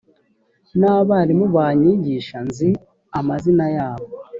n abarimu banyigisha nzi amazina yabo